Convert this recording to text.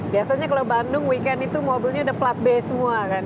biasanya kalau bandung weekend itu mobilnya ada flat base semua kan ya